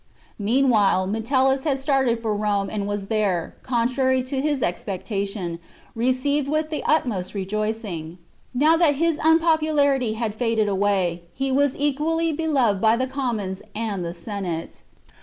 CHAP. Meanwhile, Metellus had started for Rome, and was Lxxxviir. .,...'.,, there, contrary to his expectation, received with the utmost rejoicing. Now that his unpopularity had faded away, he was equally beloved by the commons and the Senate.